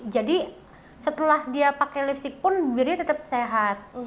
jadi setelah dia pakai lipstick pun bibirnya tetap sehat